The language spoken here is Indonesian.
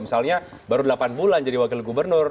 misalnya baru delapan bulan jadi wakil gubernur